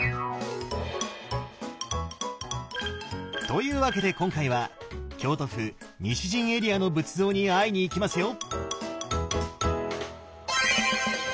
というわけで今回は京都府西陣エリアの仏像に会いに行きますよ！